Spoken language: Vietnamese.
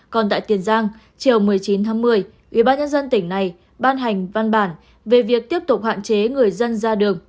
còn tại tiền giang chiều một mươi chín tháng một mươi ubnd tỉnh này ban hành văn bản về việc tiếp tục hạn chế người dân ra đường